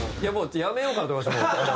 やめようかと思いましたもう。